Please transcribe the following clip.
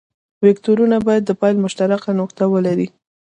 وکتورونه باید د پیل مشترکه نقطه ولري.